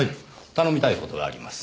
頼みたい事があります。